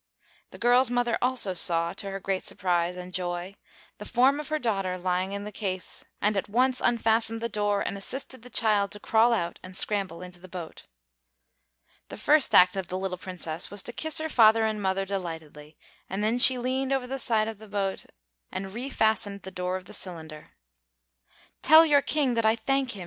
The girl's mother also saw, to her great surprise and joy, the form of her daughter lying in the glass case, and at once unfastened the door and assisted the child to crawl out and scramble into the boat. The first act of the little Princess was to kiss her father and mother delightedly, and then she leaned over the side of the boat and refastened the door of the cylinder. "Tell your King that I thank him!"